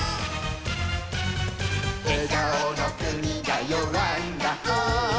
「えがおのくにだよワンダホー」